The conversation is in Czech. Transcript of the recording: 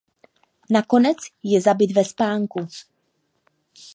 Nakonec je zabit ve spánku.